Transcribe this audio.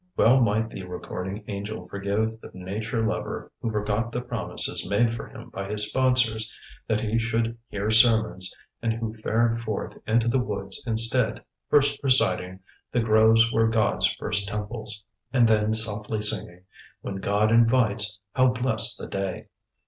Well might the recording angel forgive the nature lover who forgot the promises made for him by his sponsors that he should "hear sermons," and who fared forth into the woods instead, first reciting "The groves were God's first temples," and then softly singing, "When God invites, how blest the day!"